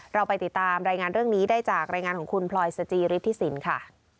เราไปติดตามรายงานเรื่องนี้ได้จากรายงานของคุณพลอยสจิฤทธิสินค่ะ